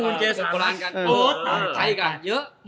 มีมีคนก่อนแล้วกันใครกันเยอะ